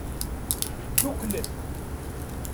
Dduklet.